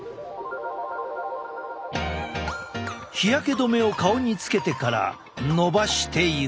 日焼け止めを顔につけてからのばしていく。